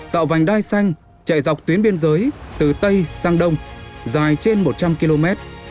tạo vành đai xanh chạy dọc tuyến biên giới từ tây sang đông dài trên một trăm linh km